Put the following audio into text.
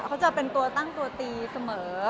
เขาจะเป็นตัวตั้งตัวตีเสมอ